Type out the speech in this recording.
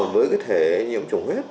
với cái thể nhiễm trùng huyết